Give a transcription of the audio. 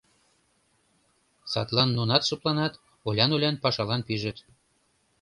Садлан нунат шыпланат, олян-олян пашалан пижыт.